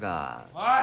おい！